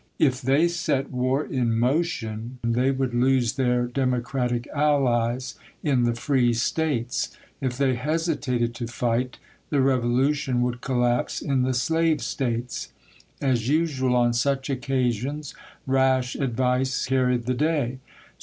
If they set war in motion, they would lose their Demo cratic allies in the free States. If they hesitated to fight, the revolution would collapse in the slave States. As usual on such occasions, rash advice carried the day.